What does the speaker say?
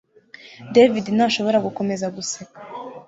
David ntashobora gukomeza guseka